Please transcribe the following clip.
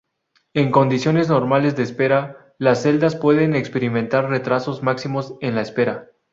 En condiciones normales de espera, las celdas pueden experimentar retrasos máximos en la espera.